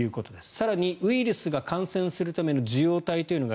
更に、ウイルスが感染するための受容体というのが